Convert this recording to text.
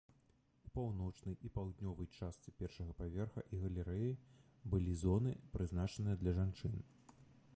У паўночнай і паўднёвай частцы першага паверха і галерэі была зоны, прызначаныя для жанчын.